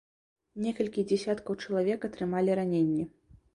Некалькі дзесяткаў чалавек атрымалі раненні.